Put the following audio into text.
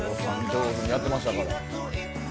上手にやってましたから。